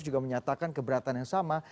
juga menyatakan keberatan yang sama